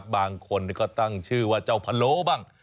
บางคนก็ตั้งชื่อว่าเจ้าพะโลบ้าง